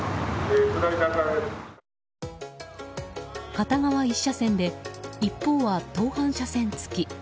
片側１車線で一方は登坂車線付き。